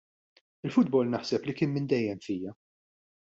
Il-futbol naħseb li kien minn dejjem fija.